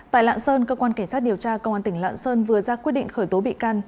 tại lạng sơn cơ quan cảnh sát điều tra công an tỉnh lạng sơn vừa ra quyết định khởi tố bị can